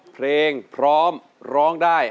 เพลงพร้อมร้องได้